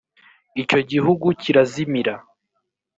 icyo gihugu kirazimira